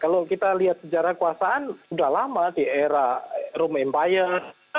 kalau kita lihat sejarah kekuasaan sudah lama di era room empire